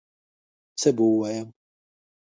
څه به ووایم